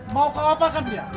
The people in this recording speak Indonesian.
mau ke apa kan dia